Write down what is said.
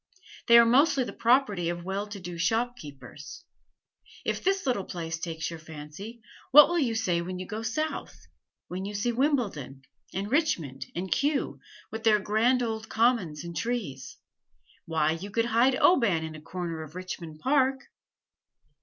They are mostly the property of well to do shopkeepers. If this little place takes your fancy, what will you say when you go South when you see Wimbledon and Richmond and Kew, with their grand old commons and trees? Why, you could hide Oban in a corner of Richmond Park!"